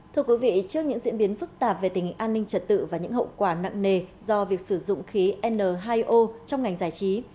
thưa quý vị trước những diễn biến phức tạp về tình an ninh trật tự và những hậu quả nặng nề do việc sử dụng khí n hai o trong ngành giải trí